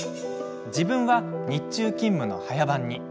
自分は、日中勤務の早番に。